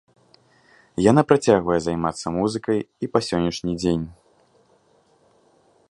Яна працягвае займацца музыкай і па сённяшні дзень.